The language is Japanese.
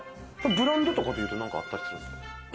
ブランドとかでいうと何かあったりするんですか？